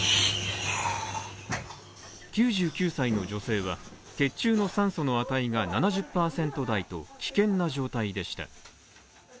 ９９歳の女性は、血中の酸素の値が７０％台と危険な状態でした。